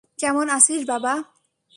কেমন আছিস বাবা?